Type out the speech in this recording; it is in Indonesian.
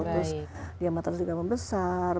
terus dia matahari juga membesar